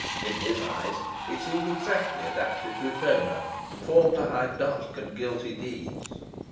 In his eyes it seemed exactly adapted to its owner, and formed to hide dark and guilty deeds.